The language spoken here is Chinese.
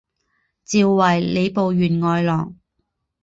召为礼部员外郎。